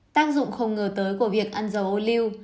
tác dụng không ngờ tới của việc ăn dầu ô lưu